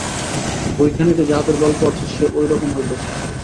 বইখানিতে যাঁহাদের গল্প আছে সে ওই রকম হইতে চায়।